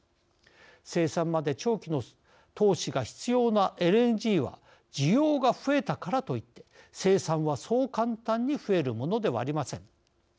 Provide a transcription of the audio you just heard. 生産まで長期の投資が必要なＬＮＧは需要が増えたからといって生産は、そう簡単に増えるものではありません。